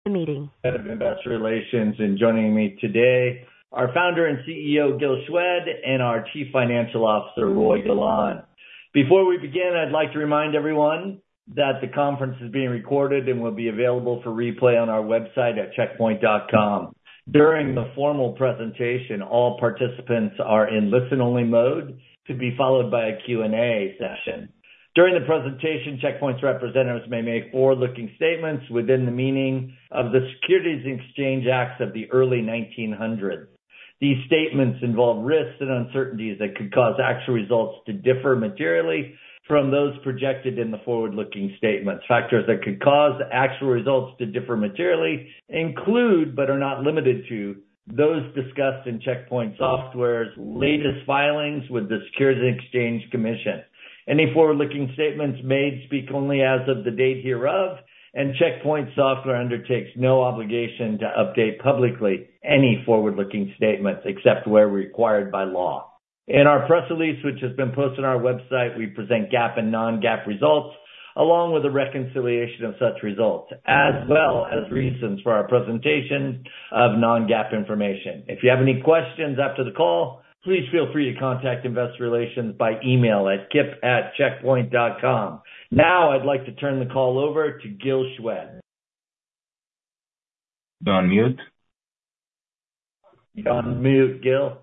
Investor Relations, and joining me today are Founder and CEO Gil Shwed and our Chief Financial Officer Roei Golan. Before we begin, I'd like to remind everyone that the conference is being recorded and will be available for replay on our website at checkpoint.com. During the formal presentation, all participants are in listen-only mode to be followed by a Q&A session. During the presentation, Check Point's representatives may make forward-looking statements within the meaning of the Securities and Exchange Acts of the early 1900s. These statements involve risks and uncertainties that could cause actual results to differ materially from those projected in the forward-looking statements. Factors that could cause actual results to differ materially include, but are not limited to, those discussed in Check Point Software's latest filings with the Securities and Exchange Commission. Any forward-looking statements made speak only as of the date hereof, and Check Point Software undertakes no obligation to update publicly any forward-looking statements except where required by law. In our press release, which has been posted on our website, we present GAAP and non-GAAP results along with a reconciliation of such results, as well as reasons for our presentation of non-GAAP information. If you have any questions after the call, please feel free to contact Investor Relations by email at kip@checkpoint.com. Now, I'd like to turn the call over to Gil Shwed. You're on mute. You're on mute, Gil.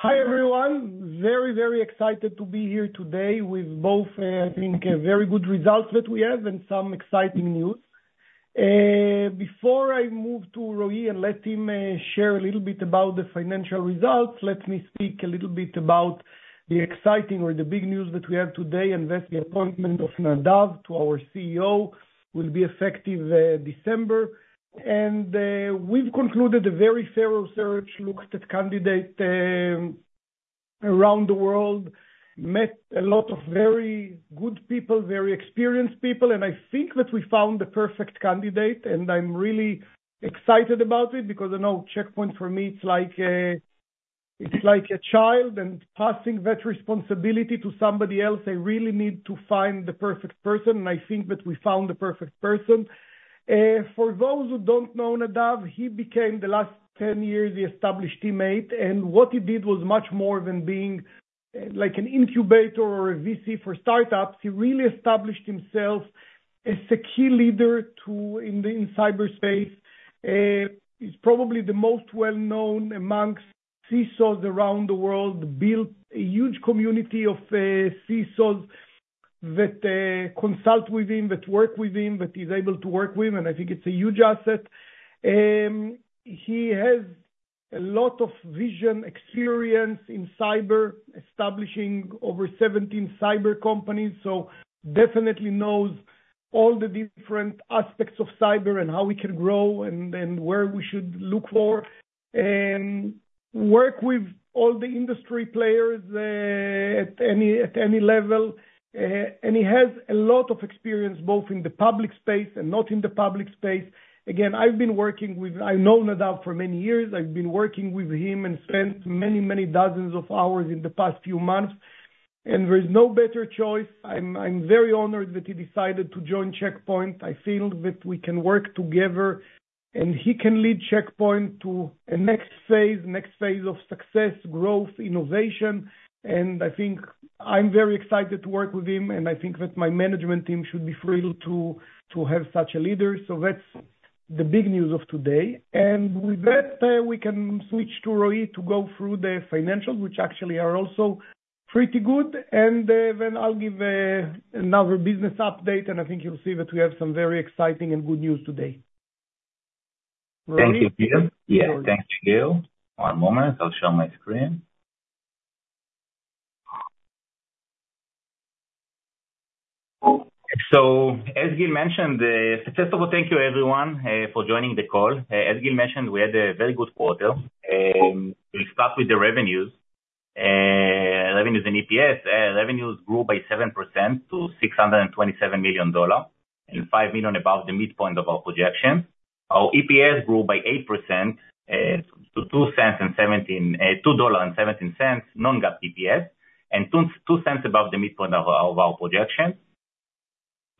Hi everyone. Very, very excited to be here today with both, I think, very good results that we have and some exciting news. Before I move to Roei and let him share a little bit about the financial results, let me speak a little bit about the exciting or the big news that we have today: incoming appointment of Nadav as our CEO will be effective December. And we've concluded a very thorough search, looked at candidates around the world, met a lot of very good people, very experienced people, and I think that we found the perfect candidate. And I'm really excited about it because I know Check Point for me, it's like a child, and passing that responsibility to somebody else, I really need to find the perfect person. And I think that we found the perfect person. For those who don't know Nadav, he became the last 10 years the established teammate, and what he did was much more than being like an incubator or a VC for startups. He really established himself as a key leader in the cyberspace. He's probably the most well-known amongst CISOs around the world, built a huge community of CISOs that consult with him, that work with him, that he's able to work with, and I think it's a huge asset. He has a lot of vision, experience in cyber, establishing over 17 cyber companies, so definitely knows all the different aspects of cyber and how we can grow and where we should look for, and work with all the industry players at any level. He has a lot of experience both in the public space and not in the public space. Again, I've been working with, I know Nadav for many years. I've been working with him and spent many, many dozens of hours in the past few months. And there is no better choice. I'm very honored that he decided to join Check Point. I feel that we can work together, and he can lead Check Point to the next phase, next phase of success, growth, innovation. And I think I'm very excited to work with him, and I think that my management team should be thrilled to have such a leader. So that's the big news of today. And with that, we can switch to Roei to go through the financials, which actually are also pretty good. And then I'll give another business update, and I think you'll see that we have some very exciting and good news today. Thank you, Peter. Yeah, thanks, Gil. One moment. I'll share my screen. So as Gil mentioned, first of all, thank you, everyone, for joining the call. As Gil mentioned, we had a very good quarter. We'll start with the revenues. Revenues and EPS, revenues grew by 7% to $627 million and $5 million above the midpoint of our projection. Our EPS grew by 8% to $2.17 non-GAAP EPS and $0.02 above the midpoint of our projection.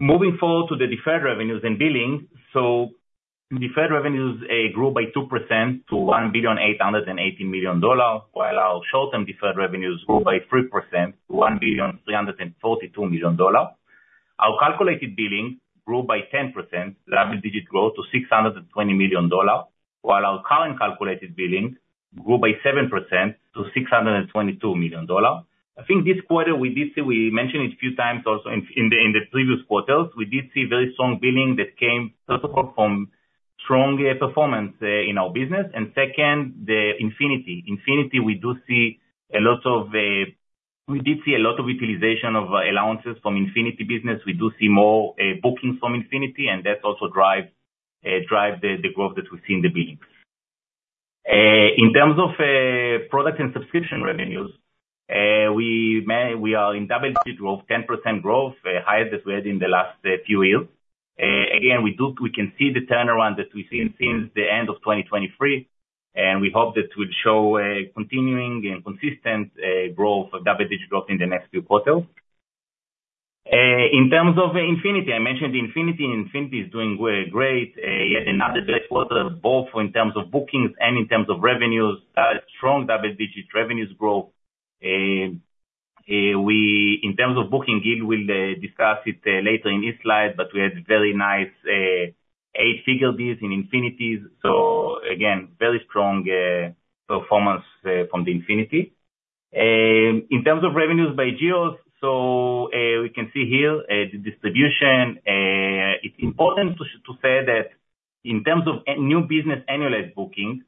Moving forward to the deferred revenues and billing, so deferred revenues grew by 2% to $1,818 million, while our short-term deferred revenues grew by 3% to $1,342 million. Our calculated billing grew by 10%, double-digit growth to $620 million, while our current calculated billing grew by 7% to $622 million. I think this quarter we did see, we mentioned it a few times also in the previous quarters, we did see very strong billing that came from strong performance in our business. And second, the Infinity, we do see a lot of utilization of allowances from Infinity business. We do see more bookings from Infinity, and that also drives the growth that we see in the billing. In terms of product and subscription revenues, we are in double-digit growth, 10% growth, higher than we had in the last few years. Again, we can see the turnaround that we've seen since the end of 2023, and we hope that we'll show continuing and consistent growth of double-digit growth in the next few quarters. In terms of Infinity, I mentioned Infinity. Infinity is doing great. In other quarters, both in terms of bookings and in terms of revenues, strong double-digit revenue growth. In terms of booking, Gil will discuss it later in this slide, but we had very nice eight-figure deals in Infinity. So again, very strong performance from the Infinity. In terms of revenues by geos, so we can see here the distribution. It's important to say that in terms of new business annualized booking,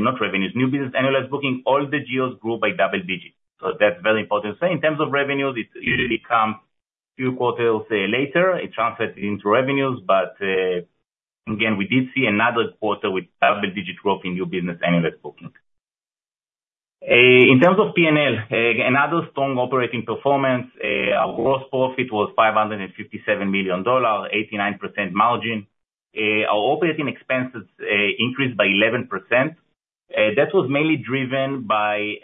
not revenues, new business annualized booking, all the geos grew by double-digit. So that's very important to say. In terms of revenues, it becomes a few quarters later. It translates into revenues, but again, we did see another quarter with double-digit growth in new business annualized booking. In terms of P&L, another strong operating performance. Our gross profit was $557 million, 89% margin. Our operating expenses increased by 11%. That was mainly driven by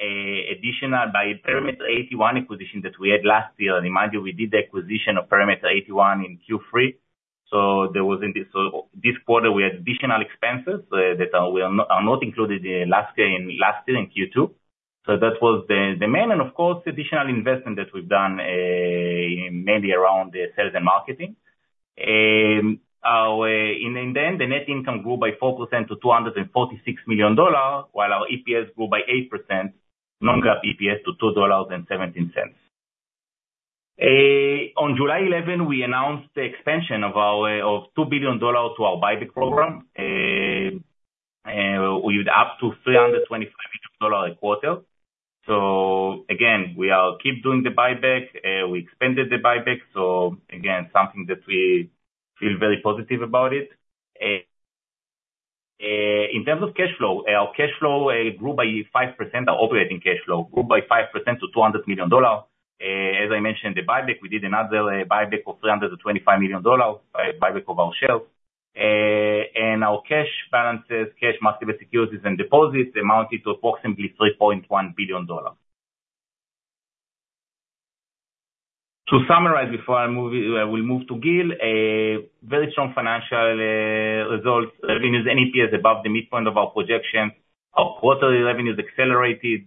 Perimeter 81 acquisition that we had last year. Remind you, we did the acquisition of Perimeter 81 in Q3. So this quarter, we had additional expenses that are not included in last year in Q2. So that was the main. And of course, additional investment that we've done mainly around sales and marketing. In the end, the net income grew by 4% to $246 million, while our EPS grew by 8%, non-GAAP EPS to $2.17. On July 11, we announced the expansion of $2 billion to our buyback program. We're up to $325 million a quarter. So again, we keep doing the buyback. We expanded the buyback. So again, something that we feel very positive about. In terms of cash flow, our cash flow grew by 5%. Our operating cash flow grew by 5% to $200 million. As I mentioned, the buyback, we did another buyback of $325 million, buyback of our shares. Our cash balances, cash marketable securities, and deposits amounted to approximately $3.1 billion. To summarize before I will move to Gil, very strong financial results. Revenues and EPS above the midpoint of our projection. Our quarterly revenues accelerated,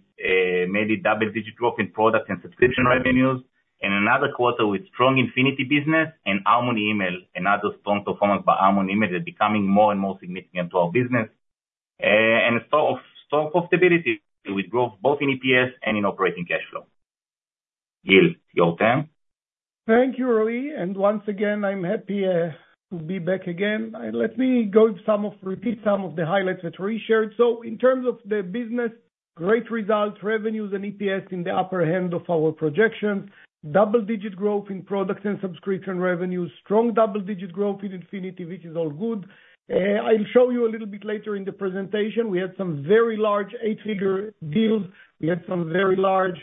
made a double-digit growth in product and subscription revenues. Another quarter with strong Infinity business and Harmony Email. Another strong performance by Harmony Email that's becoming more and more significant to our business. Strong profitability with growth both in EPS and in operating cash flow. Gil, your turn. Thank you, Roei. Once again, I'm happy to be back again. Let me repeat some of the highlights that Roei shared. In terms of the business, great results, revenues and EPS in the upper end of our projections, double-digit growth in product and subscription revenues, strong double-digit growth in Infinity, which is all good. I'll show you a little bit later in the presentation. We had some very large eight-figure deals. We had some very large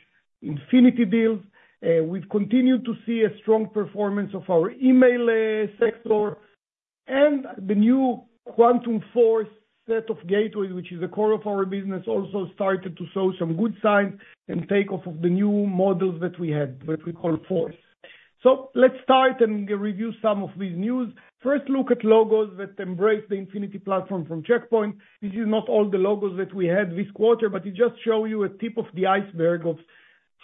Infinity deals. We've continued to see a strong performance of our email security. The new Quantum Force set of gateways, which is the core of our business, also started to show some good signs and takeoff of the new models that we call Force. Let's start and review some of this news. First, look at logos that embrace the Infinity platform from Check Point. This is not all the logos that we had this quarter, but it just shows you a tip of the iceberg of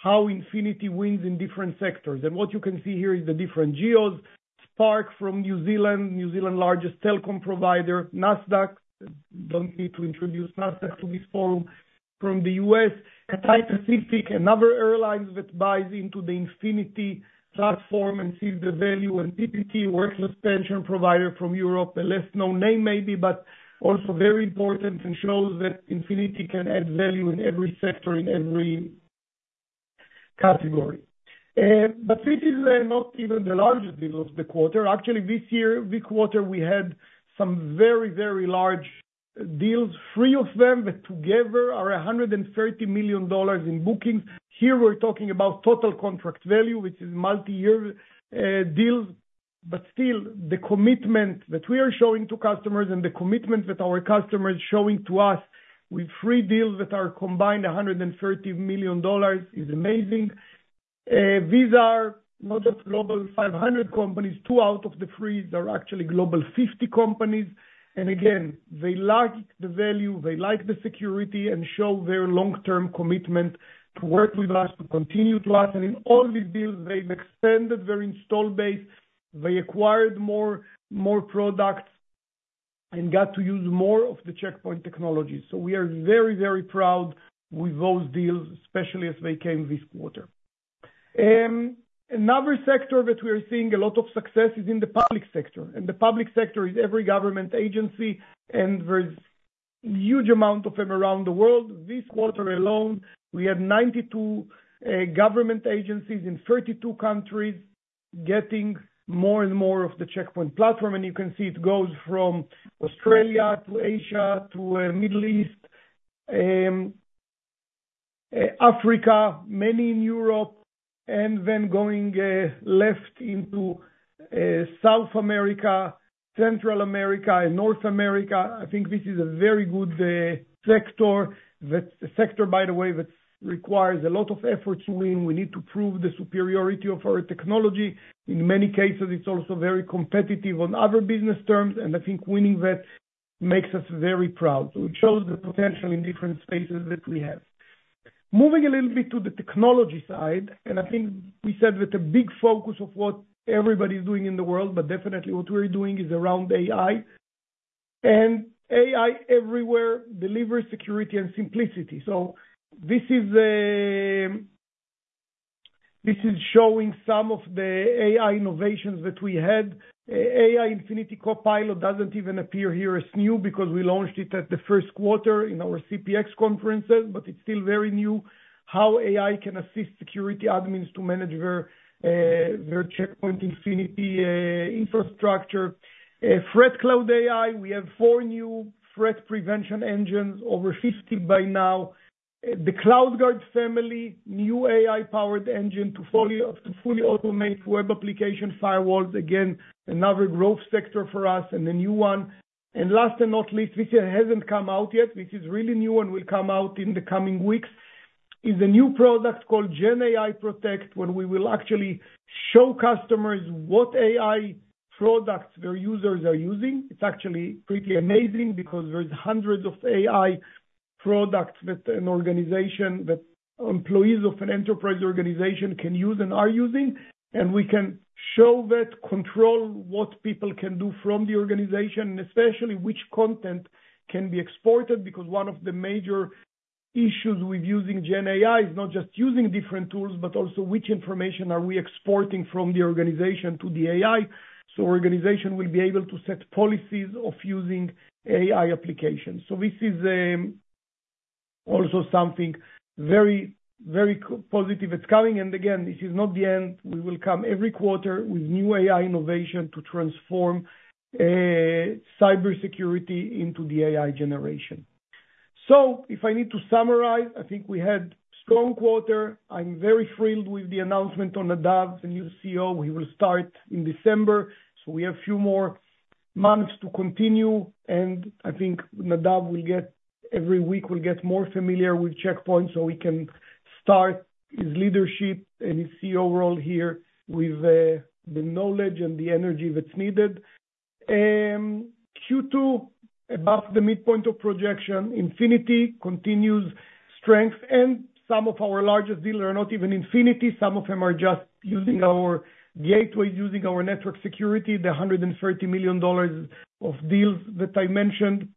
how Infinity wins in different sectors. What you can see here is the different geos. Spark from New Zealand, New Zealand's largest telecom provider, Nasdaq. Don't need to introduce Nasdaq to this forum. From the U.S., Cathay Pacific, another airline that buys into the Infinity platform and sees the value. T-Systems, telecom service provider from Europe, a less known name maybe, but also very important and shows that Infinity can add value in every sector, in every category. But this is not even the largest deal of the quarter. Actually, this year, this quarter, we had some very, very large deals, three of them that together are $130 million in bookings. Here, we're talking about total contract value, which is multi-year deals. But still, the commitment that we are showing to customers and the commitment that our customers are showing to us with three deals that are combined $130 million is amazing. These are not just Global 500 companies. Two out of the three are actually Global 50 companies. And again, they like the value, they like the security, and show their long-term commitment to work with us, to continue to us. And in all these deals, they've expanded their install base, they acquired more products, and got to use more of the Check Point Technology. So we are very, very proud with those deals, especially as they came this quarter. Another sector that we are seeing a lot of success is in the public sector. And the public sector is every government agency, and there's a huge amount of them around the world. This quarter alone, we had 92 government agencies in 32 countries getting more and more of the Check Point platform. And you can see it goes from Australia to Asia to the Middle East, Africa, many in Europe, and then going left into South America, Central America, and North America. I think this is a very good sector. That's a sector, by the way, that requires a lot of effort to win. We need to prove the superiority of our technology. In many cases, it's also very competitive on other business terms. And I think winning that makes us very proud. So it shows the potential in different spaces that we have. Moving a little bit to the technology side, and I think we said that the big focus of what everybody's doing in the world, but definitely what we're doing is around AI. AI everywhere delivers security and simplicity. This is showing some of the AI innovations that we had. AI Infinity Copilot doesn't even appear here as new because we launched it at the Q1 in our CPX conferences, but it's still very new. How AI can assist security admins to manage their Check Point Infinity infrastructure. ThreatCloud AI, we have 4 new threat prevention engines, over 50 by now. The CloudGuard family, new AI-powered engine to fully automate web application firewalls. Again, another growth sector for us and a new one. Last but not least, this hasn't come out yet. This is really new and will come out in the coming weeks. It's a new product called GenAI Protect, where we will actually show customers what AI products their users are using. It's actually pretty amazing because there's hundreds of AI products that an organization, that employees of an enterprise organization can use and are using. And we can show that, control what people can do from the organization, and especially which content can be exported because one of the major issues with using GenAI is not just using different tools, but also which information are we exporting from the organization to the AI. So organizations will be able to set policies of using AI applications. So this is also something very, very positive that's coming. And again, this is not the end. We will come every quarter with new AI innovation to transform cybersecurity into the AI generation. So if I need to summarize, I think we had a strong quarter. I'm very thrilled with the announcement on Nadav, the new CEO. He will start in December. So we have a few more months to continue. And I think Nadav will get every week will get more familiar with Check Point so he can start his leadership and his CEO role here with the knowledge and the energy that's needed. Q2, above the midpoint of projection, Infinity continues strength. And some of our largest deals are not even Infinity. Some of them are just using our gateway, using our network security, the $130 million of deals that I mentioned.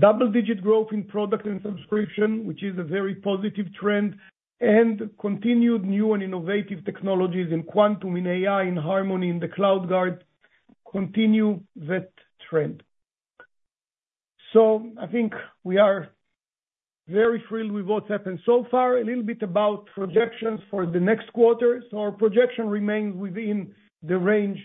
Double-digit growth in product and subscription, which is a very positive trend. And continued new and innovative technologies in Quantum, in AI, in Harmony, in the CloudGuard continue that trend. So I think we are very thrilled with what's happened so far. A little bit about projections for the next quarter. So our projection remains within the range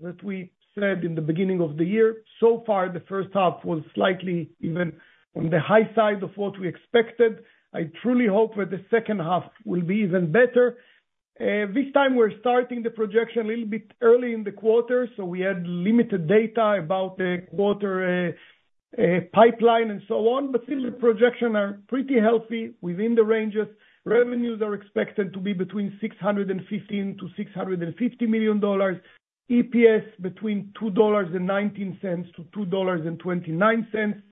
that we said in the beginning of the year. So far, the first half was slightly even on the high side of what we expected. I truly hope that the second half will be even better. This time, we're starting the projection a little bit early in the quarter. So we had limited data about the quarter pipeline and so on. But still, the projections are pretty healthy within the ranges. Revenues are expected to be between $615 million to $650 million. EPS between $2.19 to $2.29.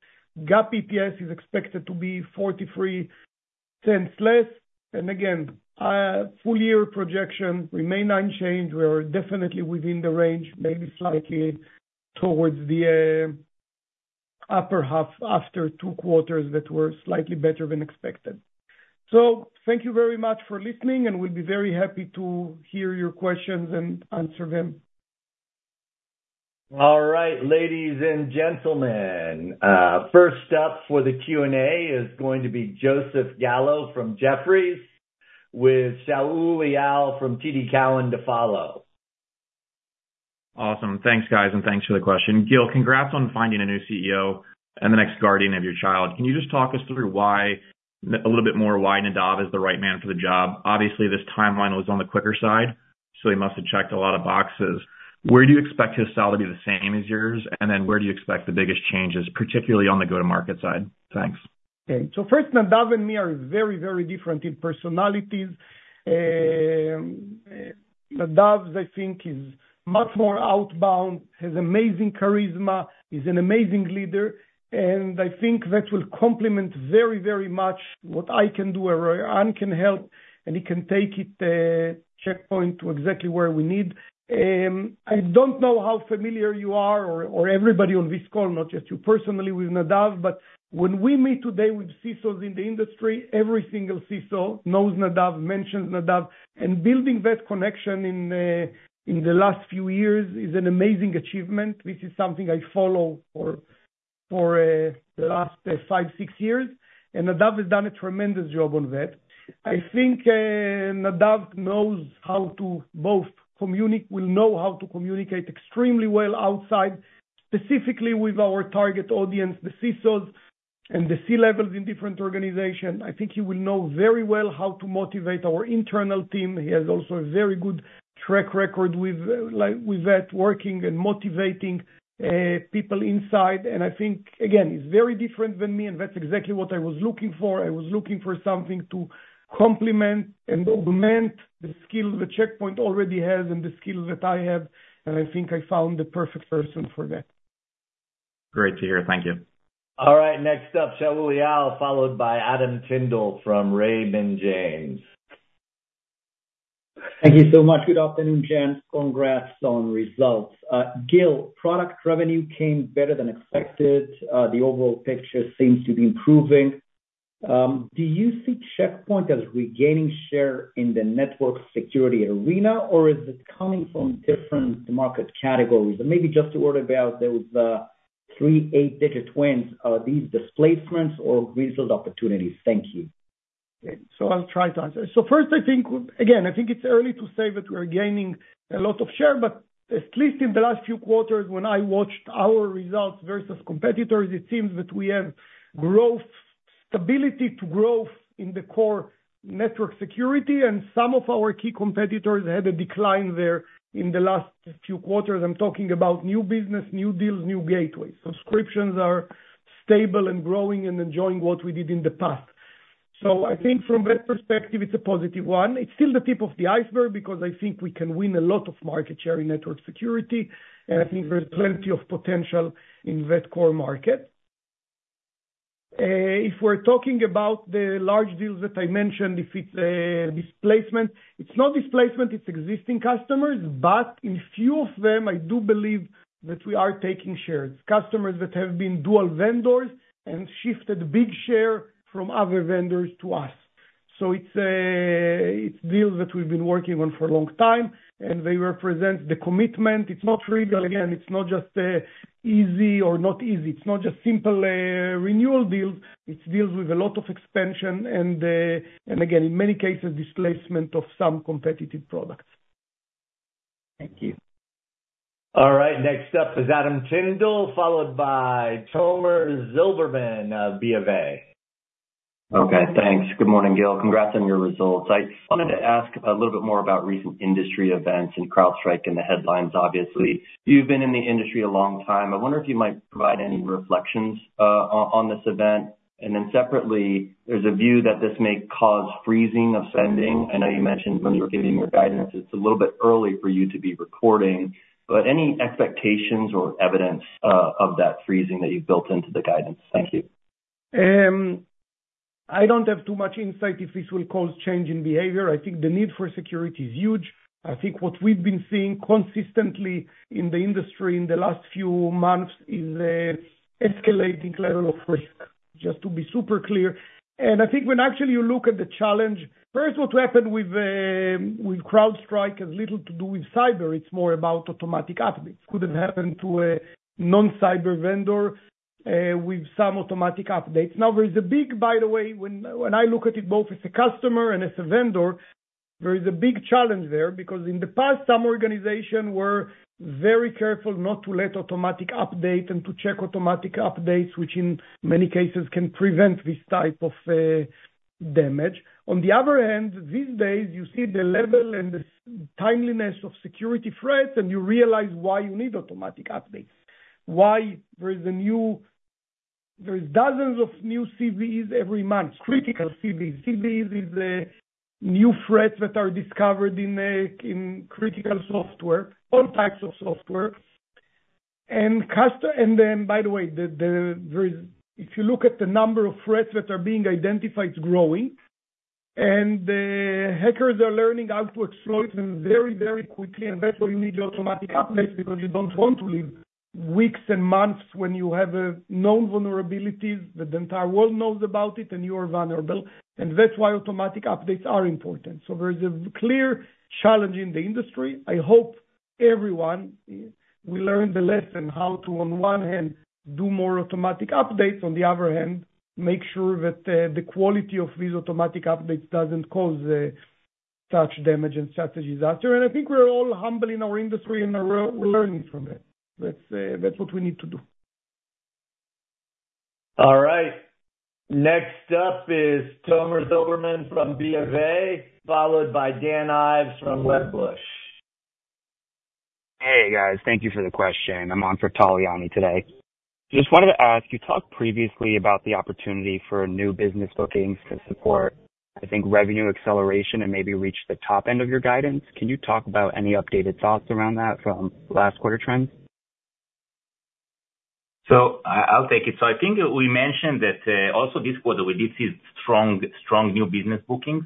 GAAP EPS is expected to be $0.43 less. And again, full-year projection remains unchanged. We are definitely within the range, maybe slightly towards the upper half after two quarters that were slightly better than expected. So thank you very much for listening, and we'll be very happy to hear your questions and answer them. All right, ladies and gentlemen. First up for the Q&A is going to be Joseph Gallo from Jefferies with Shaul Eyal from TD Cowen to follow. Awesome. Thanks, guys. Thanks for the question. Gil, congrats on finding a new CEO and the next guardian of your child. Can you just talk us through a little bit more why Nadav is the right man for the job? Obviously, this timeline was on the quicker side, so he must have checked a lot of boxes. Where do you expect his style to be the same as yours? And then where do you expect the biggest changes, particularly on the go-to-market side? Thanks. Okay. So first, Nadav and me are very, very different in personalities. Nadav, I think, is much more outbound, has amazing charisma, is an amazing leader. And I think that will complement very, very much what I can do or I can help. And he can take it, Check Point, to exactly where we need. I don't know how familiar you are or everybody on this call, not just you personally with Nadav, but when we meet today with CISOs in the industry, every single CISO knows Nadav, mentions Nadav. And building that connection in the last few years is an amazing achievement. This is something I follow for the last 5 to 6 years. And Nadav has done a tremendous job on that. I think Nadav knows how to communicate extremely well outside, specifically with our target audience, the CISOs and the C-levels in different organizations. I think he will know very well how to motivate our internal team. He has also a very good track record with that, working and motivating people inside. And I think, again, he's very different than me. And that's exactly what I was looking for. I was looking for something to complement and augment the skills that Check Point already has and the skills that I have. And I think I found the perfect person for that. Great to hear. Thank you. All right. Next up, Shaul Eyal, followed by Adam Tindle from Raymond James. Thank you so much. Good afternoon, gents. Congrats on results. Gil, product revenue came better than expected. The overall picture seems to be improving. Do you see Check Point as regaining share in the network security arena, or is it coming from different market categories? And maybe just to touch on those 3 and 8-digit wins, are these displacements or cross-sell opportunities? Thank you. So I'll try to answer. So first, I think it's early to say that we're gaining a lot of share. But at least in the last few quarters, when I watched our results versus competitors, it seems that we have growth, stability to growth in the core network security. And some of our key competitors had a decline there in the last few quarters. I'm talking about new business, new deals, new gateways. Subscriptions are stable and growing and enjoying what we did in the past. So I think from that perspective, it's a positive one. It's still the tip of the iceberg because I think we can win a lot of market share in network security. And I think there's plenty of potential in that core market. If we're talking about the large deals that I mentioned, if it's a displacement, it's not displacement, it's existing customers. But in a few of them, I do believe that we are taking shares. Customers that have been dual vendors and shifted big share from other vendors to us. So it's deals that we've been working on for a long time, and they represent the commitment. It's not trivial. Again, it's not just easy or not easy. It's not just simple renewal deals. It's deals with a lot of expansion and, again, in many cases, displacement of some competitive products. Thank you. All right. Next up is Adam Tindle, followed by Tomer Zilberman of BofA. Okay. Thanks. Good morning, Gil. Congrats on your results. I wanted to ask a little bit more about recent industry events and CrowdStrike and the headlines, obviously. You've been in the industry a long time. I wonder if you might provide any reflections on this event. And then separately, there's a view that this may cause freezing of spending. I know you mentioned when you were giving your guidance, it's a little bit early for you to be recording. But any expectations or evidence of that freezing that you've built into the guidance? Thank you. I don't have too much insight if this will cause change in behavior. I think the need for security is huge. I think what we've been seeing consistently in the industry in the last few months is an escalating level of risk, just to be super clear. I think when actually you look at the challenge, first, what happened with CrowdStrike has little to do with cyber. It's more about automatic updates. Could have happened to a non-cyber vendor with some automatic updates. Now, there is a big, by the way, when I look at it both as a customer and as a vendor, there is a big challenge there because in the past, some organizations were very careful not to let automatic update and to check automatic updates, which in many cases can prevent this type of damage. On the other hand, these days, you see the level and the timeliness of security threats, and you realize why you need automatic updates. Why there is dozens of new CVEs every month, critical CVEs. CVEs is the new threats that are discovered in critical software, all types of software. And by the way, if you look at the number of threats that are being identified, it's growing. And hackers are learning how to exploit them very, very quickly. And that's why you need the automatic updates because you don't want to live weeks and months when you have known vulnerabilities that the entire world knows about it and you are vulnerable. And that's why automatic updates are important. So there is a clear challenge in the industry. I hope everyone will learn the lesson how to, on one hand, do more automatic updates. On the other hand, make sure that the quality of these automatic updates doesn't cause such damage and such a disaster. I think we're all humbled in our industry and we're learning from it. That's what we need to do. All right. Next up is Tomer Zilberman from BofA, followed by Dan Ives from Wedbush. Hey, guys. Thank you for the question. I'm on for Tal Liani today. Just wanted to ask, you talked previously about the opportunity for new business bookings to support, I think, revenue acceleration and maybe reach the top end of your guidance. Can you talk about any updated thoughts around that from last quarter trends? So I'll take it. So I think we mentioned that also this quarter, we did see strong new business bookings.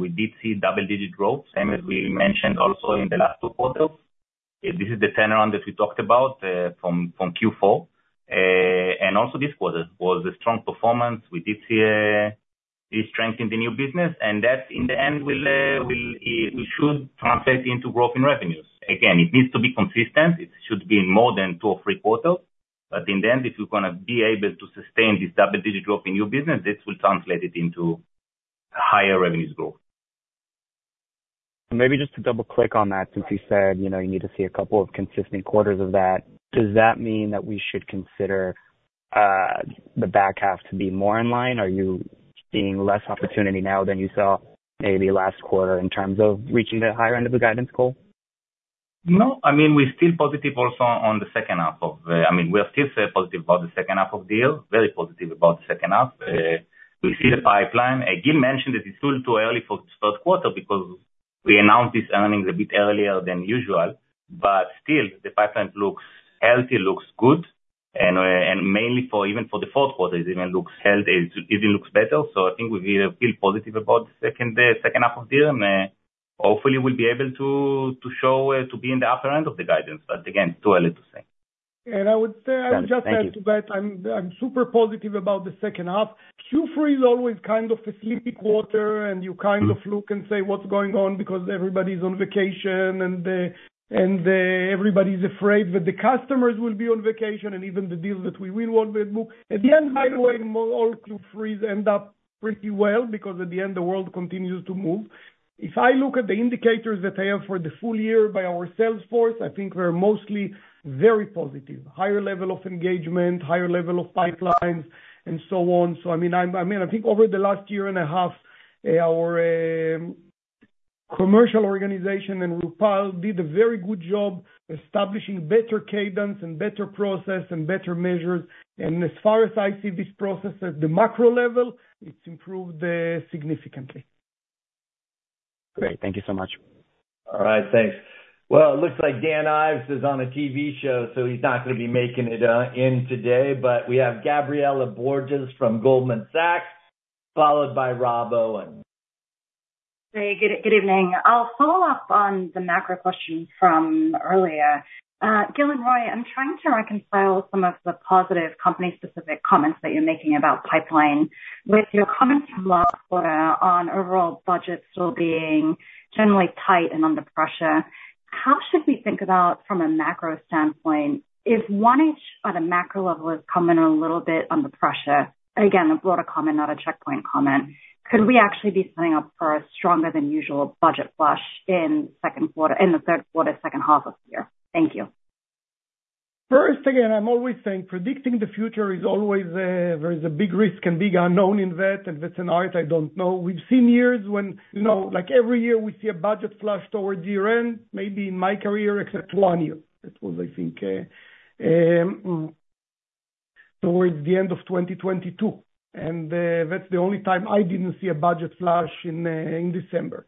We did see double-digit growth, same as we mentioned also in the last two quarters. This is the turnaround that we talked about from Q4. And also this quarter was a strong performance. We did see a strength in the new business. And that, in the end, we should translate into growth in revenues. Again, it needs to be consistent. It should be in more than two or three quarters. But in the end, if we're going to be able to sustain this double-digit growth in new business, this will translate into higher revenues growth. Maybe just to double-click on that, since you said you need to see a couple of consistent quarters of that, does that mean that we should consider the back half to be more in line? Are you seeing less opportunity now than you saw maybe last quarter in terms of reaching the higher end of the guidance goal? No. I mean, we're still positive also on the second half of the year. I mean, we're still positive about the second half of the year, very positive about the second half. We see the pipeline. Gil mentioned that it's still too early for the Q1 because we announced these earnings a bit earlier than usual. But still, the pipeline looks healthy, looks good. And mainly even for the Q4, it even looks healthy, it even looks better. So I think we feel positive about the H2 of the year. And hopefully, we'll be able to show to be in the upper end of the guidance. But again, too early to say. Thank You. I would just add to that, I'm super positive about the second half. Q3 is always kind of a sleepy quarter, and you kind of look and say, "What's going on?" Because everybody's on vacation and everybody's afraid that the customers will be on vacation and even the deals that we will work with. At the end, by the way, all Q3s end up pretty well because at the end, the world continues to move. If I look at the indicators that I have for the full year by our sales force, I think we're mostly very positive, higher level of engagement, higher level of pipelines, and so on. I mean, I think over the last year and a half, our commercial organization and our people did a very good job establishing better cadence and better process and better measures. As far as I see this process at the macro level, it's improved significantly. Great. Thank you so much. All right. Thanks. Well, it looks like Dan Ives is on a TV show, so he's not going to be making it in today. But we have Gabriela Borges from Goldman Sachs, followed by Rob Owens. Hey, good evening. I'll follow up on the macro question from earlier. Gil and Roei, I'm trying to reconcile some of the positive company-specific comments that you're making about pipeline with your comments from last quarter on overall budgets still being generally tight and under pressure. How should we think about, from a macro standpoint, if, you know, at a macro level is coming a little bit under pressure? Again, a broader comment, not a Check Point comment. Could we actually be setting up for a stronger than usual budget flush in the Q3, H2 of the year? Thank you. First, again, I'm always saying predicting the future is always there is a big risk and big unknown in that. And that's an art I don't know. When every year we see a budget flush towards year-end, maybe in my career, except one year. That was, I think, towards the end of 2022. And that's the only time I didn't see a budget flush in December.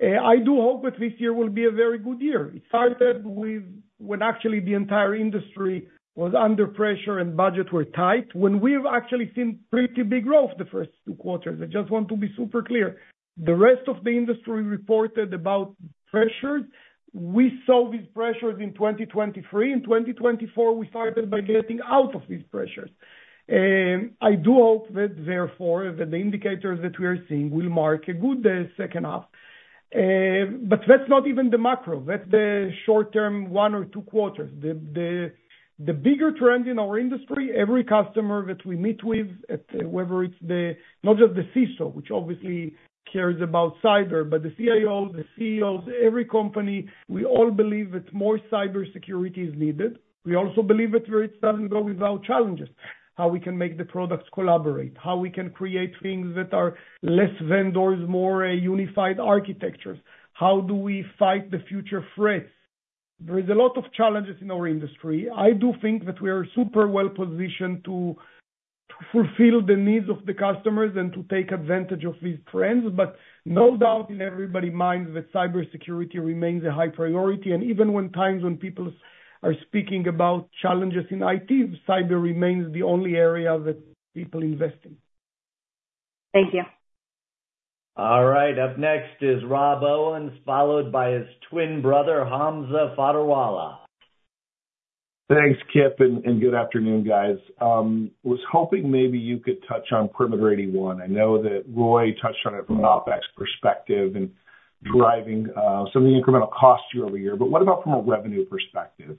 I do hope that this year will be a very good year. It started when actually the entire industry was under pressure and budgets were tight, when we've actually seen pretty big growth the first two quarters. I just want to be super clear. The rest of the industry reported about pressures. We saw these pressures in 2023. In 2024, we started by getting out of these pressures. I do hope that, therefore, the indicators that we are seeing will mark a good second half. But that's not even the macro. That's the short-term one or two quarters. The bigger trend in our industry, every customer that we meet with, whether it's not just the CISO, which obviously cares about cyber, but the CIOs, the CEOs, every company, we all believe that more cybersecurity is needed. We also believe that it doesn't go without challenges. How we can make the products collaborate, how we can create things that are less vendors, more unified architectures. How do we fight the future threats? There is a lot of challenges in our industry. I do think that we are super well-positioned to fulfill the needs of the customers and to take advantage of these trends. But no doubt in everybody's minds that cybersecurity remains a high priority. Even when times when people are speaking about challenges in IT, cyber remains the only area that people invest in. Thank you. All right. Up next is Rob Owens, followed by his twin brother, Hamza Fodderwala. Thanks, Kip, and good afternoon, guys. I was hoping maybe you could touch on Perimeter 81. I know that Roei touched on it from an OpEx perspective and driving some of the incremental costs year-over-year. But what about from a revenue perspective?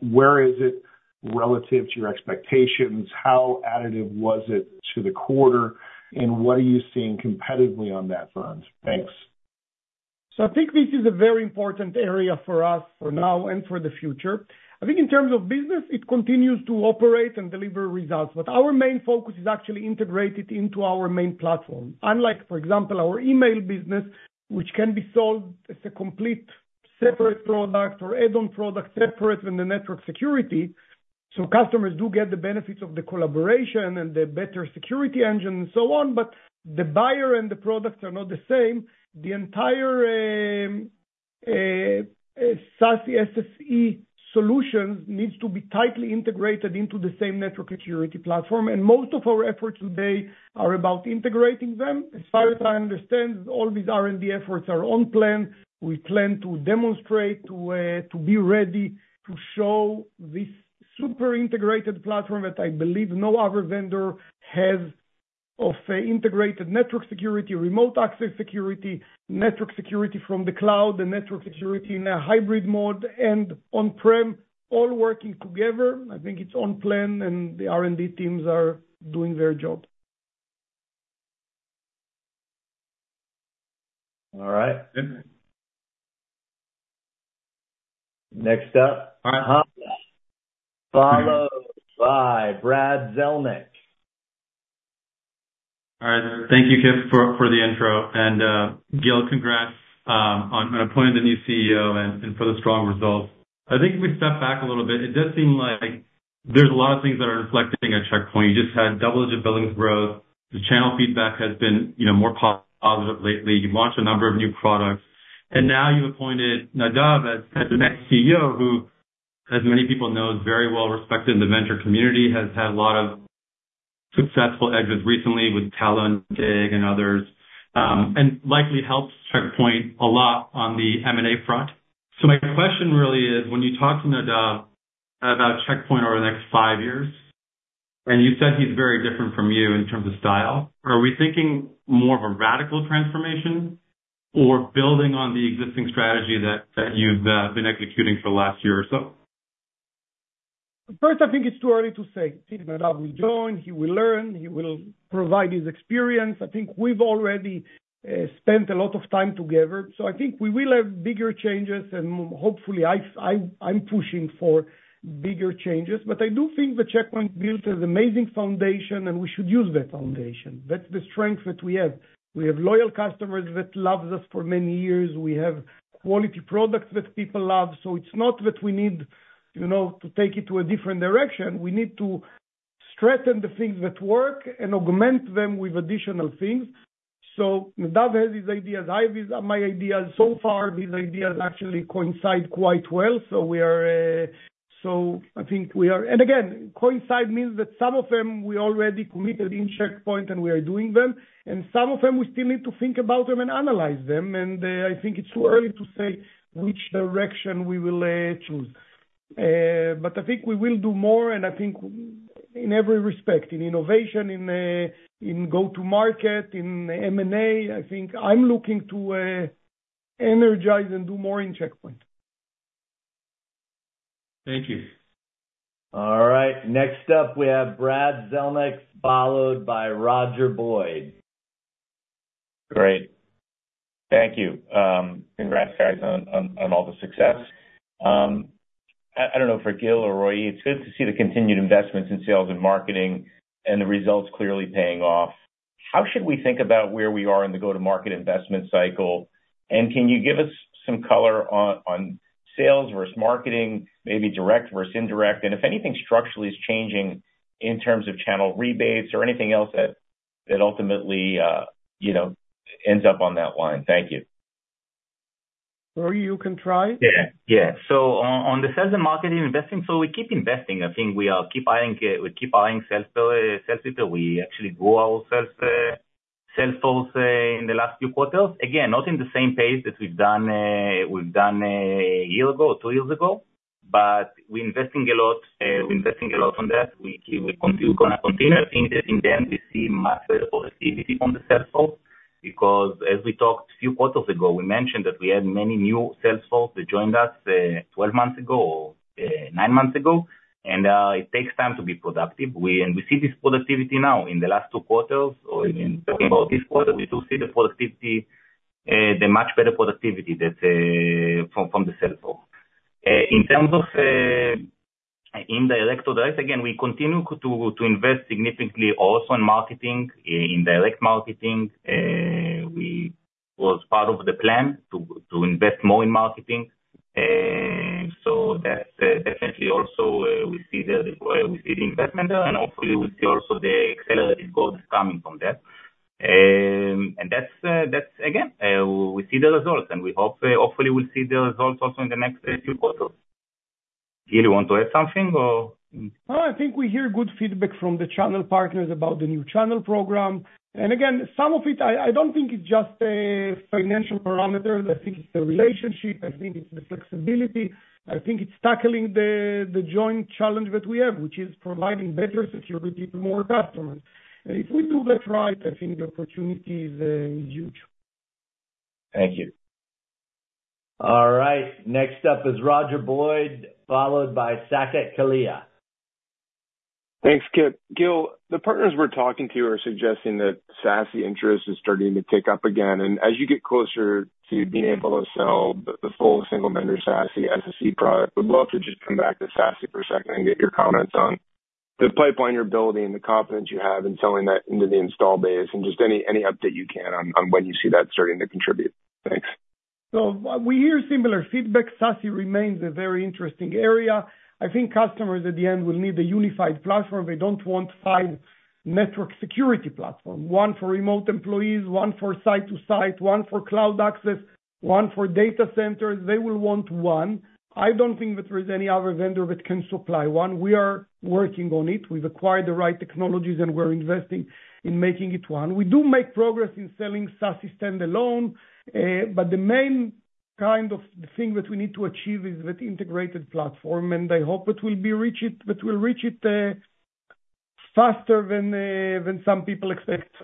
Where is it relative to your expectations? How additive was it to the quarter? And what are you seeing competitively on that front? Thanks. So I think this is a very important area for us for now and for the future. I think in terms of business, it continues to operate and deliver results. But our main focus is actually integrated into our main platform. Unlike, for example, our email business, which can be sold as a complete separate product or add-on product separate from the network security. So customers do get the benefits of the collaboration and the better security engine and so on. But the buyer and the products are not the same. The entire SASE SSE solutions needs to be tightly integrated into the same network security platform. Most of our efforts today are about integrating them. As far as I understand, all these R&D efforts are on plan. We plan to demonstrate to be ready to show this super integrated platform that I believe no other vendor has integrated network security, remote access security, network security from the cloud, and network security in a hybrid mode and on-prem, all working together. I think it's on plan, and the R&D teams are doing their job. All right. Next up, Hamza Fodderwala followed by Brad Zelnick. All right. Thank you, Kip, for the intro. And Gil, congrats on appointing the new CEO and for the strong results. I think if we step back a little bit, it does seem like there's a lot of things that are reflecting at Check Point. You just had double-digit billing growth. The channel feedback has been more positive lately. You've launched a number of new products. And now you've appointed Nadav as the next CEO, who, as many people know, is very well-respected in the venture community, has had a lot of successful exits recently with Tal Liani and others, and likely helps Check Point a lot on the M&A front. So my question really is, when you talk to Nadav about Check Point over the next five years, and you said he's very different from you in terms of style, are we thinking more of a radical transformation or building on the existing strategy that you've been executing for the last year or so? First, I think it's too early to say. See, Nadav will join. He will learn. He will provide his experience. I think we've already spent a lot of time together. So I think we will have bigger changes. And hopefully, I'm pushing for bigger changes. But I do think that Check Point built an amazing foundation, and we should use that foundation. That's the strength that we have. We have loyal customers that love us for many years. We have quality products that people love. So it's not that we need to take it to a different direction. We need to strengthen the things that work and augment them with additional things. So Nadav has his ideas. I have my ideas. So far, these ideas actually coincide quite well. So I think and again, coincide means that some of them we already committed in Check Point, and we are doing them. And some of them, we still need to think about them and analyze them. And I think it's too early to say which direction we will choose. But I think we will do more. And I think in every respect, in innovation, in go-to-market, in M&A, I think I'm looking to energize and do more in Check Point. Thank you. All right. Next up, we have Brad Zelnick, followed by Roger Boyd. Great. Thank you. Congrats, guys, on all the success. I don't know for Gil or Roei. It's good to see the continued investments in sales and marketing and the results clearly paying off. How should we think about where we are in the go-to-market investment cycle? And can you give us some color on sales versus marketing, maybe direct versus indirect? And if anything structurally is changing in terms of channel rebates or anything else that ultimately ends up on that line? Thank you. Roei, you can try. Yeah. Yeah. So on the sales and marketing investing, so we keep investing. I think we keep eyeing salespeople. We actually grew our sales force in the last few quarters. Again, not in the same pace that we've done 1 year ago or 2 years ago. But we're investing a lot on that. We're going to continue seeing that. We see massive positivity on the sales force because, as we talked a few quarters ago, we mentioned that we had many new sales forces that joined us 12 months ago or 9 months ago. And it takes time to be productive. And we see this productivity now in the last 2 quarters. Or in talking about this quarter, we do see the much better productivity from the sales force. In terms of indirect or direct, again, we continue to invest significantly also in marketing, in direct marketing. It was part of the plan to invest more in marketing. So that's definitely also we see the investment there. And hopefully, we see also the accelerated growth coming from that. And that's, again, we see the results. And we hopefully will see the results also in the next few quarters. Gil, you want to add something or? No, I think we hear good feedback from the channel partners about the new channel program. And again, some of it, I don't think it's just financial parameters. I think it's the relationship. I think it's the flexibility. I think it's tackling the joint challenge that we have, which is providing better security to more customers. If we do that right, I think the opportunity is huge. Thank you. All right. Next up is Roger Boyd, followed by Saket Kalia. Thanks, Kip. Gil, the partners we're talking to are suggesting that SASE interest is starting to pick up again. As you get closer to being able to sell the full single-vendor SASE SSE product, we'd love to just come back to SASE for a second and get your comments on the pipeline you're building, the confidence you have in selling that into the install base, and just any update you can on when you see that starting to contribute. Thanks. So we hear similar feedback. SASE remains a very interesting area. I think customers at the end will need a unified platform. They don't want five network security platforms, one for remote employees, one for site-to-site, one for cloud access, one for data centers. They will want one. I don't think that there is any other vendor that can supply one. We are working on it. We've acquired the right technologies, and we're investing in making it one. We do make progress in selling SASE standalone. But the main kind of thing that we need to achieve is that integrated platform. And I hope that we'll reach it faster than some people expect.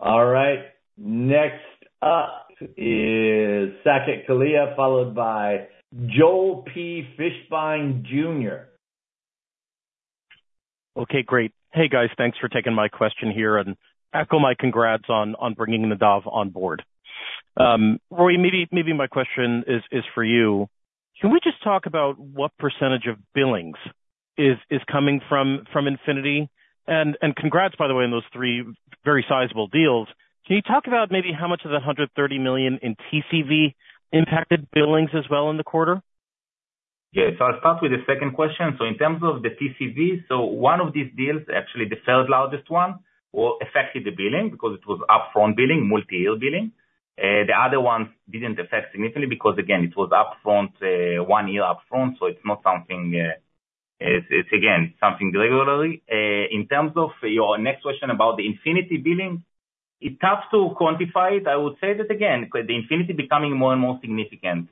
All right. Next up is Saket Kalia, followed by Joel P. Fishbein, Jr. Okay, great. Hey, guys, thanks for taking my question here and echo my congrats on bringing Nadav on board. Roei, maybe my question is for you. Can we just talk about what percentage of billings is coming from Infinity? And congrats, by the way, on those three very sizable deals. Can you talk about maybe how much of that $130 million in TCV impacted billings as well in the quarter? Yes. I'll start with the second question. So in terms of the TCV, so one of these deals, actually the third largest one, affected the billing because it was upfront billing, multi-year billing. The other ones didn't affect significantly because, again, it was one year upfront. So it's something regular. In terms of your next question about the Infinity billing, it's tough to quantify it. I would say that, again, the Infinity is becoming more and more significant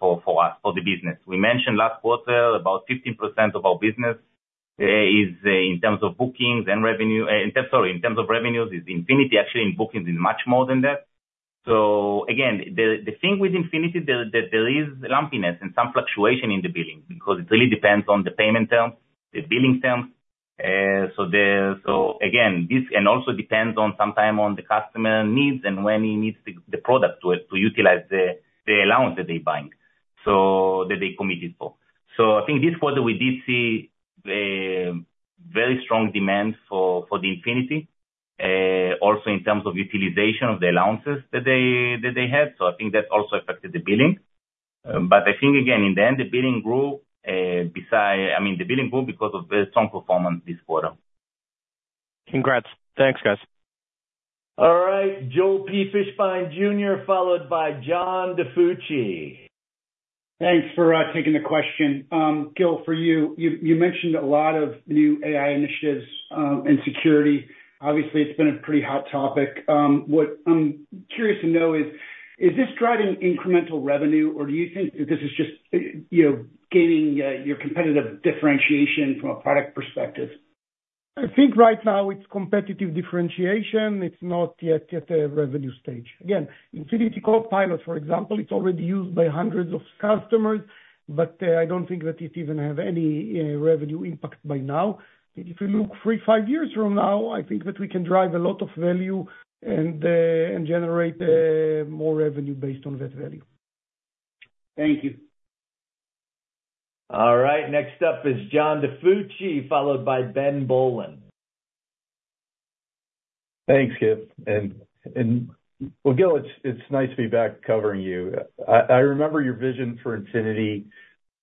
for the business. We mentioned last quarter about 15% of our business is in terms of revenues. Infinity actually in bookings is much more than that. So again, the thing with Infinity, there is lumpiness and some fluctuation in the billing because it really depends on the payment terms, the billing terms. So again, this also depends sometimes on the customer needs and when he needs the product to utilize the allowance that they're buying that they committed for. So I think this quarter, we did see very strong demand for the Infinity, also in terms of utilization of the allowances that they had. So I think that also affected the billing. But I think, again, in the end, the billing grew because of very strong performance this quarter. Congrats. Thanks, guys. All right. Joel P. Fishbein, Jr., followed by John DiFucci. Thanks for taking the question. Gil, for you, you mentioned a lot of new AI initiatives and security. Obviously, it's been a pretty hot topic. What I'm curious to know is, is this driving incremental revenue, or do you think that this is just gaining your competitive differentiation from a product perspective? I think right now it's competitive differentiation. It's not yet at a revenue stage. Again, Infinity Copilot, for example, it's already used by hundreds of customers. But I don't think that it even has any revenue impact by now. If we look three to five years from now, I think that we can drive a lot of value and generate more revenue based on that value. Thank you. All right. Next up is John DiFucci, followed by Ben Bollin. Thanks, Kip. Well, Gil, it's nice to be back covering you. I remember your vision for Infinity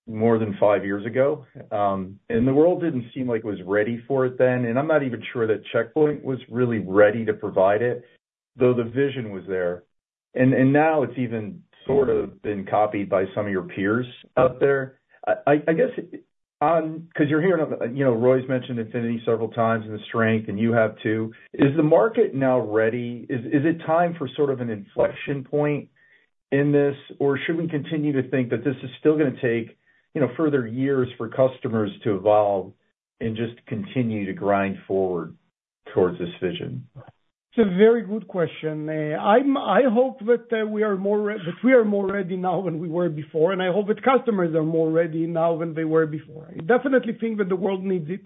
more than five years ago. The world didn't seem like it was ready for it then. I'm not even sure that Check Point was really ready to provide it, though the vision was there. Now it's even sort of been copied by some of your peers out there. I guess because you've been hearing Roei's mentioned Infinity several times and the strength, and you have too. Is the market now ready? Is it time for sort of an inflection point in this? Or should we continue to think that this is still going to take further years for customers to evolve and just continue to grind forward towards this vision? It's a very good question. I hope that we are more ready now than we were before. I hope that customers are more ready now than they were before. I definitely think that the world needs it.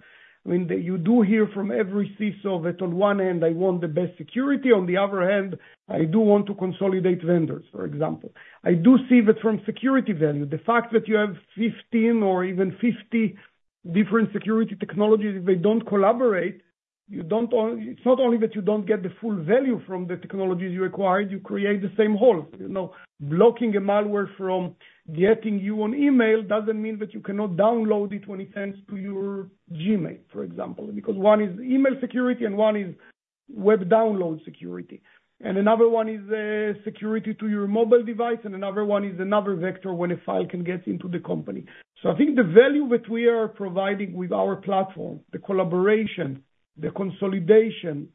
I mean, you do hear from every CISO that on one end, I want the best security. On the other hand, I do want to consolidate vendors, for example. I do see that from security value. The fact that you have 15 or even 50 different security technologies, if they don't collaborate, it's not only that you don't get the full value from the technologies you acquired. You create the same hole. Blocking a malware from getting you on email doesn't mean that you cannot download it when it sends to your Gmail, for example, because one is email security and one is web download security. And another one is security to your mobile device. And another one is another vector when a file can get into the company. So I think the value that we are providing with our platform, the collaboration, the consolidation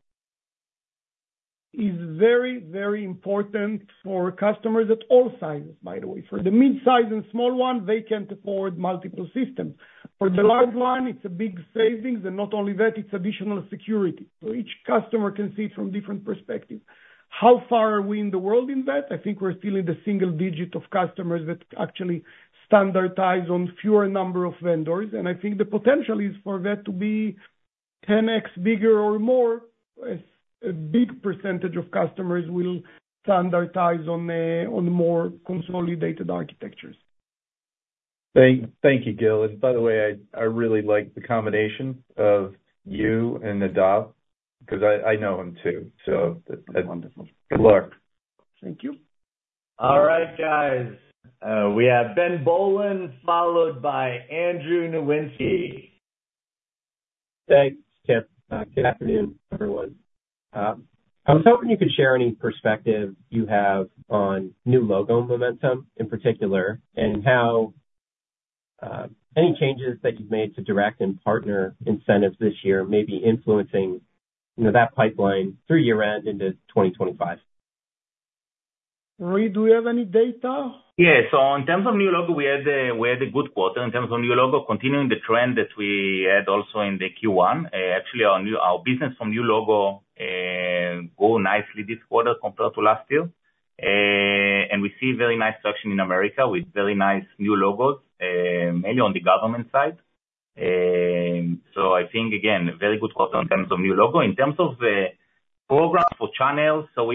is very, very important for customers at all sizes, by the way. For the mid-size and small one, they can't afford multiple systems. For the large one, it's a big savings. And not only that, it's additional security. So each customer can see it from a different perspective. How far are we in the world in that? I think we're still in the single digit of customers that actually standardize on a fewer number of vendors. And I think the potential is for that to be 10x bigger or more. A big percentage of customers will standardize on more consolidated architectures. Thank you, Gil. By the way, I really like the combination of you and Nadav because I know him too. Good luck. Thank you. All right, guys. We have Ben Bollin, followed by Andrew Nowinski. Thanks, Kip. Good afternoon, everyone. I was hoping you could share any perspective you have on new logo momentum in particular and how any changes that you've made to direct and partner incentives this year may be influencing that pipeline through year-end into 2025. Roei, do you have any data? Yeah. So in terms of new logo, we had a good quarter. In terms of new logo, continuing the trend that we had also in the Q1. Actually, our business from new logo grew nicely this quarter compared to last year. And we see very nice traction in America with very nice new logos, mainly on the government side. So I think, again, a very good quarter in terms of new logo. In terms of programs for channels, so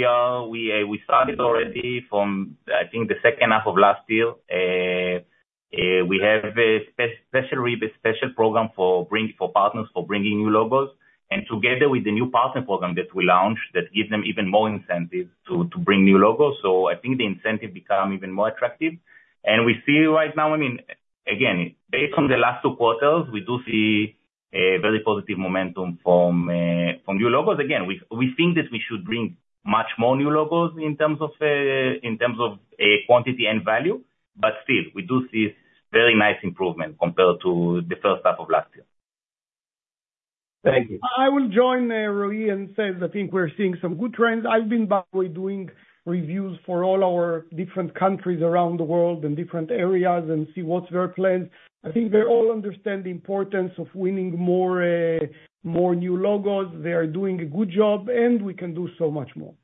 we started already from, I think, the H2 of last year. We have a special program for partners for bringing new logos. And together with the new partner program that we launched that gives them even more incentive to bring new logos. So I think the incentive becomes even more attractive. We see right now, I mean, again, based on the last two quarters, we do see a very positive momentum from new logos. Again, we think that we should bring much more new logos in terms of quantity and value. But still, we do see very nice improvement compared to the first half of last year. Thank you. I will join Roei and say that I think we're seeing some good trends. I've been by the way doing reviews for all our different countries around the world and different areas and see what's their plans. I think they all understand the importance of winning more new logos. They are doing a good job. We can do so much more.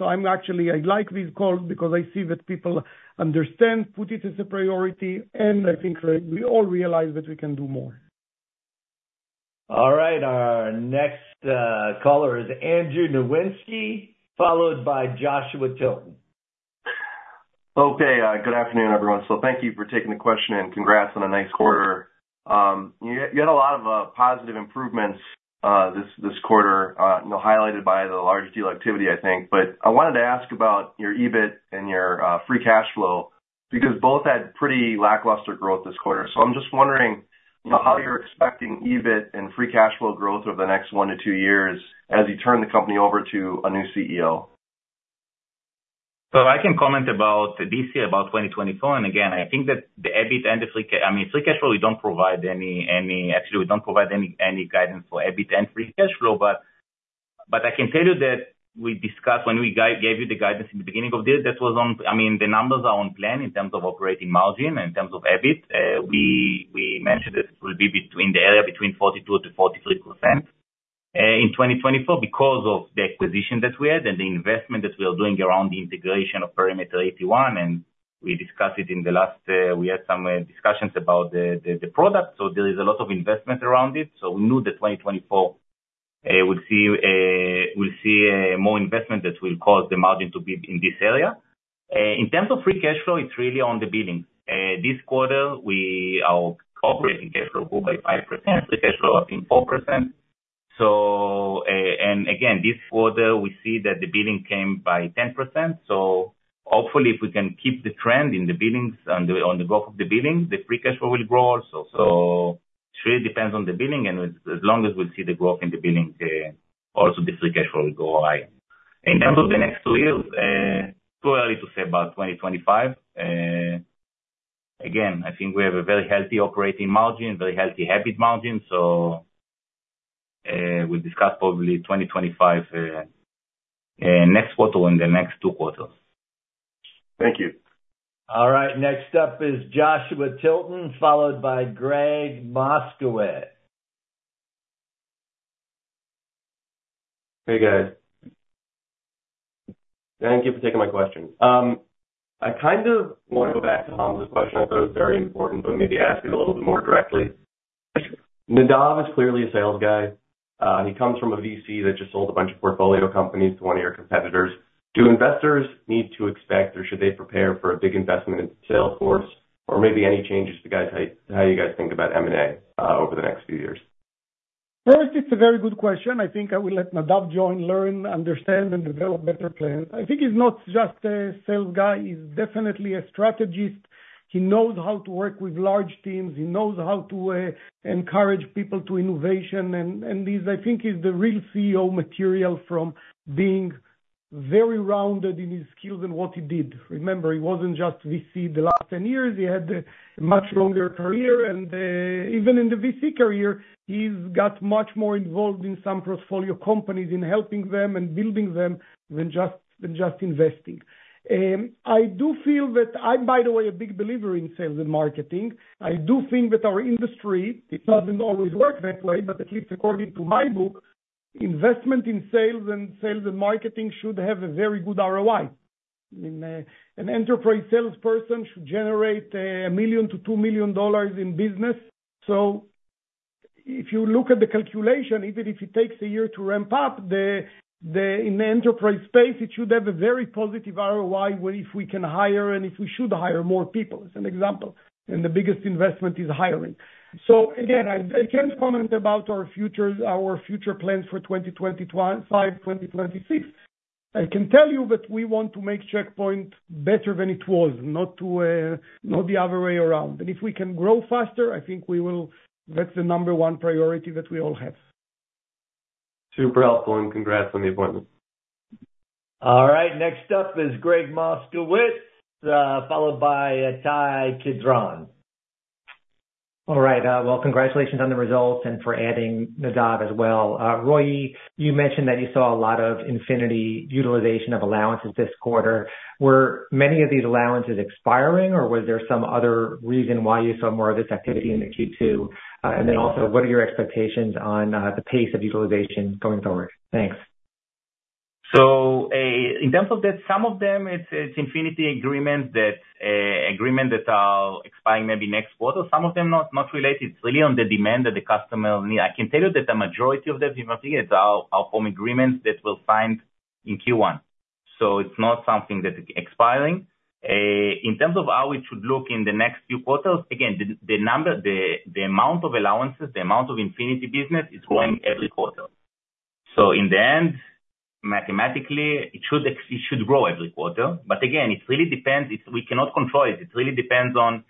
I'm actually I like this call because I see that people understand, put it as a priority. I think we all realize that we can do more. All right. Our next caller is Andrew Nowinski, followed by Joshua Tilton. Okay. Good afternoon, everyone. So thank you for taking the question and congrats on a nice quarter. You had a lot of positive improvements this quarter highlighted by the large deal activity, I think. But I wanted to ask about your EBIT and your free cash flow because both had pretty lackluster growth this quarter. So I'm just wondering how you're expecting EBIT and free cash flow growth over the next one to two years as you turn the company over to a new CEO. So I can comment about this year, about 2024. And again, I think that the EBIT and free cash flow, we don't provide any guidance for EBIT and free cash flow. But I can tell you that we discussed when we gave you the guidance in the beginning of the year that was on, I mean, the numbers are on plan in terms of operating margin and in terms of EBIT. We mentioned that it will be in the area between 42% to 43% in 2024 because of the acquisition that we had and the investment that we are doing around the integration of Perimeter 81. And we discussed it in the last, we had some discussions about the product. So there is a lot of investment around it. So we knew that 2024, we'll see more investment that will cause the margin to be in this area. In terms of free cash flow, it's really on the billing. This quarter, our operating cash flow grew by 5%. Free cash flow up in 4%. And again, this quarter, we see that the billing came by 10%. So hopefully, if we can keep the trend on the growth of the billing, the free cash flow will grow also. So it really depends on the billing. And as long as we see the growth in the billing, also the free cash flow will go high. In terms of the next two years, too early to say about 2025. Again, I think we have a very healthy operating margin, very healthy EBIT margin. So we'll discuss probably 2025 next quarter and the next two quarters. Thank you. All right. Next up is Joshua Tilton, followed by Gregg Moskowitz. Hey, guys. Thank you for taking my question. I kind of want to go back to Tom's question. I thought it was very important, but maybe ask it a little bit more directly. Nadav is clearly a sales guy. He comes from a VC that just sold a bunch of portfolio companies to one of your competitors. Do investors need to expect or should they prepare for a big investment in sales force or maybe any changes to how you guys think about M&A over the next few years? First, it's a very good question. I think I will let Nadav join, learn, understand, and develop better plans. I think he's not just a sales guy. He's definitely a strategist. He knows how to work with large teams. He knows how to encourage people to innovation. And this, I think, is the real CEO material from being very rounded in his skills and what he did. Remember, he wasn't just VC the last 10 years. He had a much longer career. And even in the VC career, he's got much more involved in some portfolio companies, in helping them and building them than just investing. I do feel that I, by the way, am a big believer in sales and marketing. I do think that our industry, it doesn't always work that way, but at least according to my book, investment in sales and sales and marketing should have a very good ROI. An enterprise salesperson should generate $1 million to $2 million in business. So if you look at the calculation, even if it takes a year to ramp up, in the enterprise space, it should have a very positive ROI if we can hire and if we should hire more people, as an example. And the biggest investment is hiring. So again, I can't comment about our future plans for 2025 and 2026. I can tell you that we want to make Check Point better than it was, not the other way around. And if we can grow faster, I think that's the number one priority that we all have. Super helpful. Congrats on the appointment. All right. Next up is Gregg Moskowitz, followed by Ittai Kidron. All right. Well, congratulations on the results and for adding Nadav as well. Roei, you mentioned that you saw a lot of Infinity utilization of allowances this quarter. Were many of these allowances expiring, or was there some other reason why you saw more of this activity in the Q2? And then also, what are your expectations on the pace of utilization going forward? Thanks. So in terms of that, some of them, it's Infinity agreements that are expiring maybe next quarter. Some of them not related. It's really on the demand that the customer needs. I can tell you that the majority of them, if I'm thinking, it's our Harmony agreements that were signed in Q1. So it's not something that's expiring. In terms of how it should look in the next few quarters, again, the amount of allowances, the amount of Infinity business is growing every quarter. So in the end, mathematically, it should grow every quarter. But again, it really depends. We cannot control it. It really depends on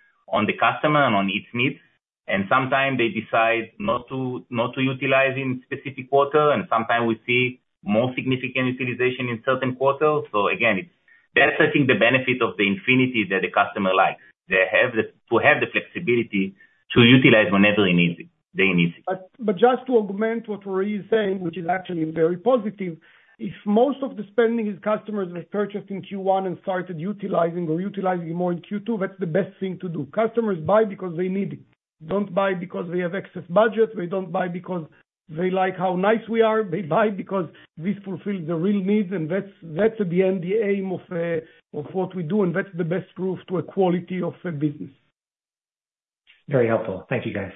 the customer and on its needs. And sometimes they decide not to utilize in specific quarter. And sometimes we see more significant utilization in certain quarters. So again, that's, I think, the benefit of the Infinity that the customer likes. They have the flexibility to utilize whenever they need it. But just to augment what Roei is saying, which is actually very positive, if most of the spending is customers that purchased in Q1 and started utilizing or utilizing more in Q2, that's the best thing to do. Customers buy because they need it. They don't buy because they have excess budget. They don't buy because they like how nice we are. They buy because this fulfills the real needs. And that's at the end the aim of what we do. And that's the best proof to a quality of a business. Very helpful. Thank you, guys.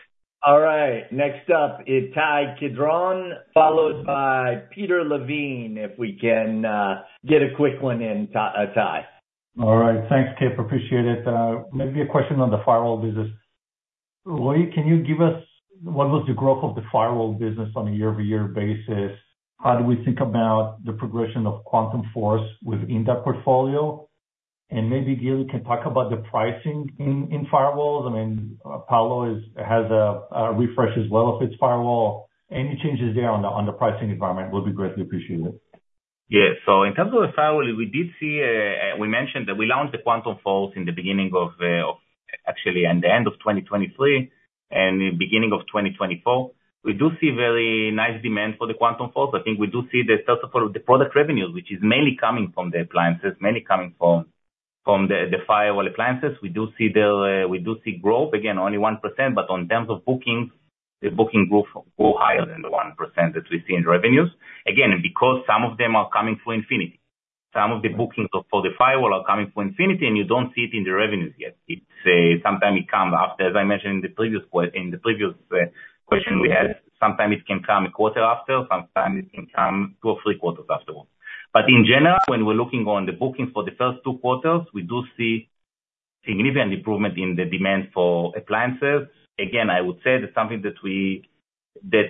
All right. Next up is Ittai Kidron, followed by Peter Levine, if we can get a quick one in time. All right. Thanks, Kip. Appreciate it. Maybe a question on the firewall business. Roei, can you give us what was the growth of the firewall business on a year-over-year basis? How do we think about the progression of Quantum Force within that portfolio? And maybe Gil, you can talk about the pricing in firewalls. I mean, Palo has a refresh as well of its firewall. Any changes there on the pricing environment will be greatly appreciated. Yeah. So in terms of the firewall, we mentioned that we launched the Quantum Force in the end of 2023 and the beginning of 2024. We do see very nice demand for the Quantum Force. I think we do see, first of all, the product revenues, which is mainly coming from the appliances, mainly coming from the firewall appliances. We do see growth. Again, only 1%. But in terms of bookings, the bookings grew higher than the 1% that we see in revenues. Again, because some of them are coming through Infinity. Some of the bookings for the firewall are coming through Infinity. And you don't see it in the revenues yet. Sometimes it comes after, as I mentioned in the previous question we had. Sometimes it can come a quarter after. Sometimes it can come two or three quarters afterwards. In general, when we're looking on the bookings for the first two quarters, we do see significant improvement in the demand for appliances. Again, I would say that's something that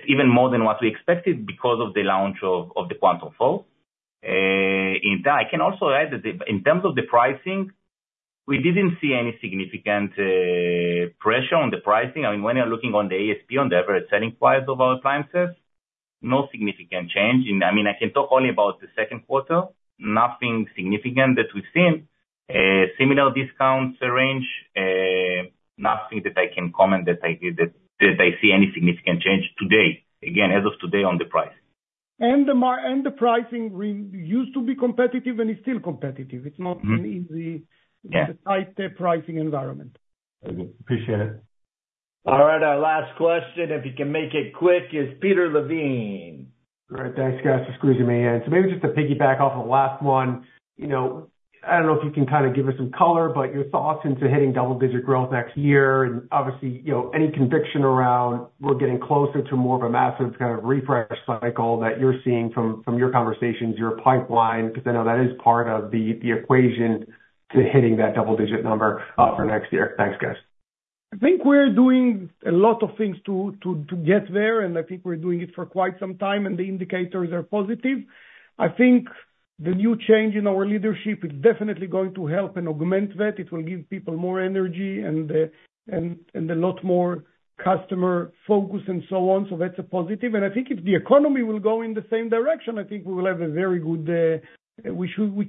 even more than what we expected because of the launch of the Quantum Force. In fact, I can also add that in terms of the pricing, we didn't see any significant pressure on the pricing. I mean, when you're looking on the ASP, on the average selling price of our appliances, no significant change. I mean, I can talk only about the Q2. Nothing significant that we've seen. Similar discounts range. Nothing that I can comment that I see any significant change today, again, as of today, on the price. The pricing used to be competitive, and it's still competitive. It's not an easy, tight-lipped pricing environment. Appreciate it. All right. Our last question, if you can make it quick, is Peter Levine. All right. Thanks, guys, for squeezing me in. So maybe just to piggyback off of the last one, I don't know if you can kind of give us some color, but your thoughts into hitting double-digit growth next year and obviously any conviction around we're getting closer to more of a massive kind of refresh cycle that you're seeing from your conversations, your pipeline, because I know that is part of the equation to hitting that double-digit number for next year. Thanks, guys. I think we're doing a lot of things to get there. I think we're doing it for quite some time. The indicators are positive. I think the new change in our leadership is definitely going to help and augment that. It will give people more energy and a lot more customer focus and so on. That's a positive. I think if the economy will go in the same direction, I think we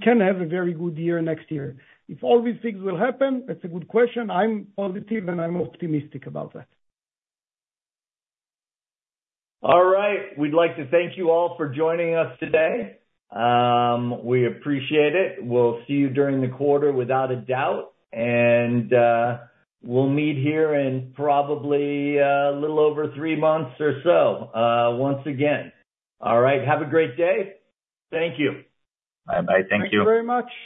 can have a very good year next year. If all these things will happen, that's a good question. I'm positive, and I'm optimistic about that. All right. We'd like to thank you all for joining us today. We appreciate it. We'll see you during the quarter, without a doubt. We'll meet here in probably a little over three months or so once again. All right. Have a great day. Thank you. Bye. Thank you. Thank you very much.